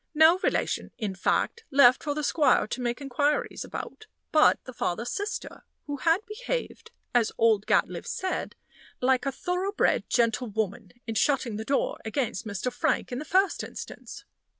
No relation, in fact, left for the squire to make inquiries about but the father's sister who had behaved, as old Gatliffe said, like a thorough bred gentlewoman in shutting the door against Mr. Frank in the first instance.